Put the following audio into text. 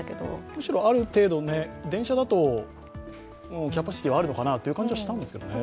むしろある程度、電車だとキャパシティはあるのかなという気がしたんですけどね。